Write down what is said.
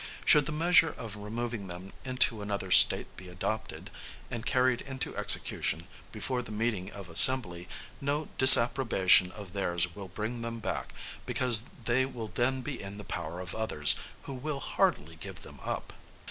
Should the measure of removing them into another State be adopted, and carried into execution, before the meeting of Assembly, no disapprobation of theirs will bring them back, because they will then be in the power of others, who will hardly give them up.